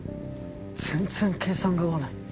全然計算が合わない。